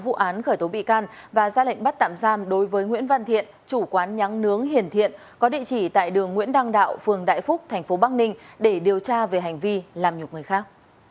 công an tp bắc ninh đã ra quyết định khởi tổn thương và ra lệnh bắt tạm giam đối với nguyễn văn thiện chủ quán nhắn nướng hiển thiện có địa chỉ tại đường nguyễn đăng đạo phường đại phúc tp bắc ninh để điều tra về hành vi làm nhục người khác